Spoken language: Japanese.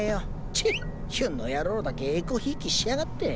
チェッヒュンの野郎だけえこひいきしやがって。